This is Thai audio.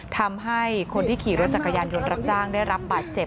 ทำให้คนที่ขี่รถจักรยานยนต์รับจ้างได้รับบาดเจ็บ